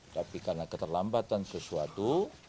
tapi karena keterlambatan sesuatu